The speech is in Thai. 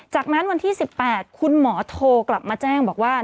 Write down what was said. จากนั้นวันที่๑๘คุณหมอโทรกลับมาแจ้งบอกว่า